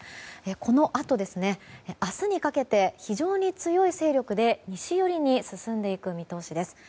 このあと、明日にかけて非常に強い勢力で西寄りに進んでいく見通しです。